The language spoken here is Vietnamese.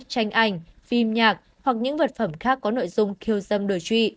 tranh ảnh phim nhạc hoặc những vật phẩm khác có nội dung khiêu dâm đổi trụy